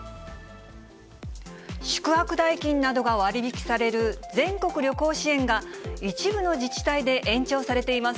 宿泊代金などが割引される全国旅行支援が、一部の自治体で延長されています。